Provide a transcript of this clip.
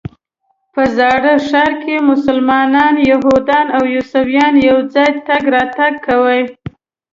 په زاړه ښار کې مسلمانان، یهودان او عیسویان یو ځای تګ راتګ کوي.